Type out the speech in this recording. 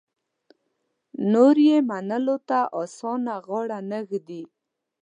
نور یې منلو ته اسانه غاړه نه ږدي.